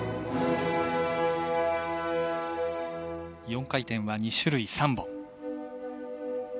４回転は２種類３本。